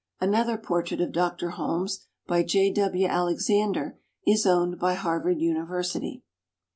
Another portrait of Dr. Holmes, by J. W. Alexander, is owned by Harvard University.